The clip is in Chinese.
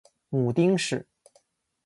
母丁氏。